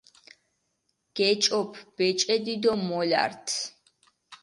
გეჭოფჷ ბეჭედი დო მოლართჷ.